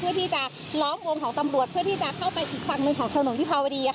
เพื่อที่จะล้อมวงของตำรวจเพื่อที่จะเข้าไปอีกฝั่งหนึ่งของถนนวิภาวดี